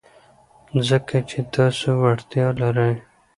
ځکه چې تاسو وړتیا لرئ.